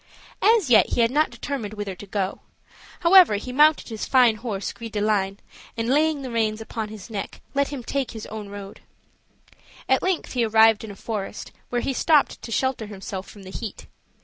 As yet he had not determined whither to go; however, he mounted his fine horse Gris de line, and, laying the reins upon his neck, let him take his own road: at length he arrived in a forest, where he stopped to shelter himself from the heat.